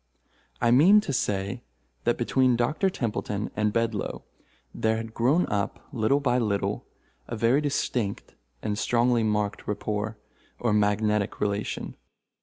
I mean to say, that between Doctor Templeton and Bedloe there had grown up, little by little, a very distinct and strongly marked rapport, or magnetic relation.